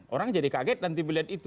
orang jadi kaget nanti melihat itu